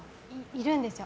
いるんですよ。